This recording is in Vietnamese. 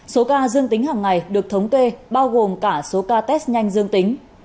số ca dương tính hằng ngày được thống kê bao gồm cả số ca test nhanh dương tính